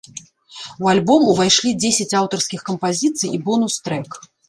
У альбом увайшлі дзесяць аўтарскіх кампазіцый і бонус-трэк.